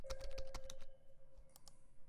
rejalashtirilganidan ham bilish mumkin